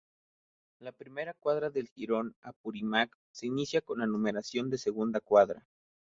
La primera cuadra del jirón Apurímac se inicia con la numeración de segunda cuadra.